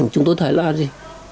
chúng tôi thấy là gì